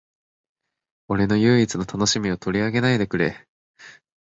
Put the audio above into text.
俺の唯一の楽しみを取り上げないでくれ